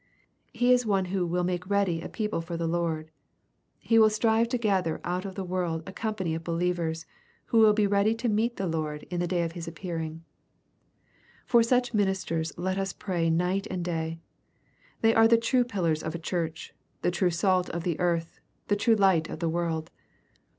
— He is one who " will make ready a people for the Lord." He will strive to gather out of the world a company of believers, who will be ready to meet the Lord in the day of His appearing. For such ministers let us pray night and day. Tney are the true pillars of a Church, — the true salt of the earth, — the true light of the world.